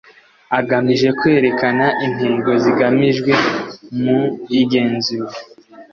agamije kwerekana intego zigamijwe mu igenzura